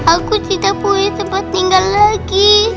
aku tidak boleh tempat tinggal lagi